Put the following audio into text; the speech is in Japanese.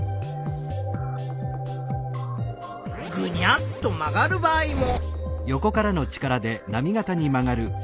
「ぐにゃっ」と曲がる場合も。